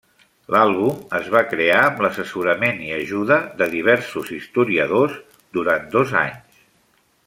L'àlbum es va crear amb l'assessorament i ajuda de diversos historiadors durant dos anys.